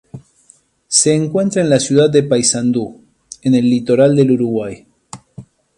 Se encuentra en la ciudad de Paysandú, en el litoral del Uruguay.